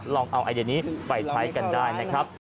ลองเอาไอเดียนี้ไปใช้กันได้นะครับ